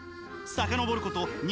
さかのぼること